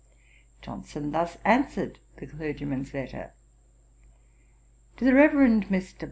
Johnson thus answered the clergyman's letter: To THE REVEREND MR.